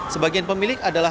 sebagian pemilik adalah